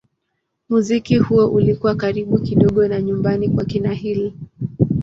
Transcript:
Muziki huo ulikuwa karibu kidogo na nyumbani kwa kina Hill.